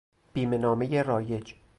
بیمهنامهی رایج